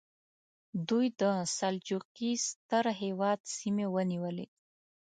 دوی د سلجوقي ستر هېواد سیمې ونیولې.